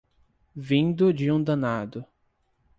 Vindo de um danado.